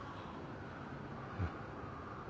うん。